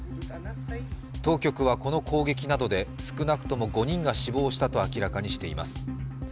当局はこの攻撃などで少なくとも５人が死亡したと明らかにしています。